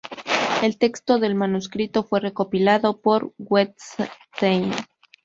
El texto del manuscrito fue recopilado por Wettstein.